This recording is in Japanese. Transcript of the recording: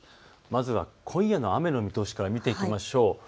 まずは今夜の雨の見通しから見ていきましょう。